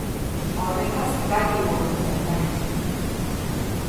Horretaz garbi gogoratzen naiz.